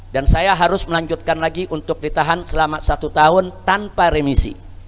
dan saya harus melanjutkan lagi untuk ditahan selama satu tahun tanpa remisi